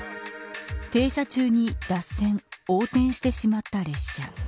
停車中に脱線、横転してしまった列車。